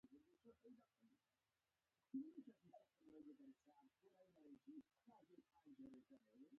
په افغانستان کې کوم فرهنګي میراث یا مکتب ته زیان ورسوي.